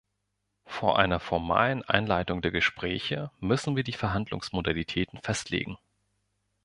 Vor einer formalen Einleitung der Gespräche müssen wir die Verhandlungsmodalitäten festlegen.